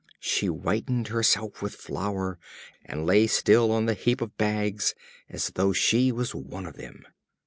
She whitened herself with flour, and lay still on the heap of bags, as though she was one of them.